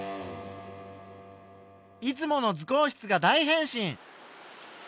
いつもの図工室が大変身！